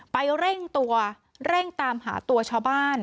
เร่งตัวเร่งตามหาตัวชาวบ้าน